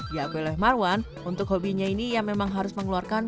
ya gue leh marwan untuk hobinya ini yang memang harus mengeluarkan